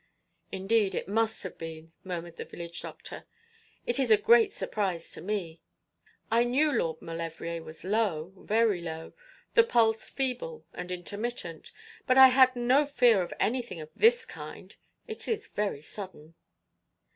'Indeed it must have been,' murmured the village doctor. 'It is a great surprise to me. I knew Lord Maulevrier was low, very low, the pulse feeble and intermittent; but I had no fear of anything of this kind. It is very sudden.'